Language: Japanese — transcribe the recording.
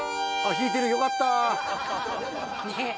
弾いてるよかったねえ